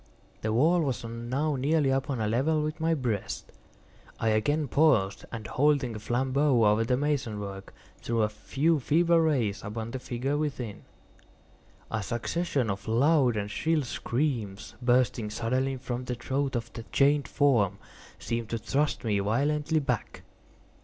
The wall was now nearly upon a level with my breast. I again paused, and holding the flambeaux over the mason work, threw a few feeble rays upon the figure within. A succession of loud and shrill screams, bursting suddenly from the throat of the chained form, seemed to thrust me violently back.